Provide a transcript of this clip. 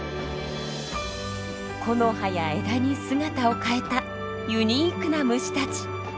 木の葉や枝に姿を変えたユニークな虫たち。